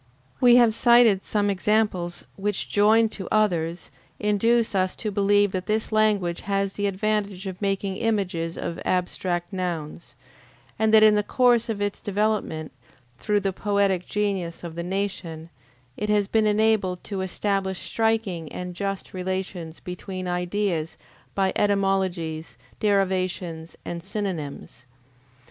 We have cited some examples which, joined to others, induce us to believe that this language has the advantage of making images of abstract nouns, and that in the course of its development, through the poetic genius of the nation, it has been enabled to establish striking and just relations between ideas by etymologies, derivations, and synonymes.